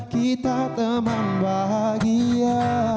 kita teman bahagia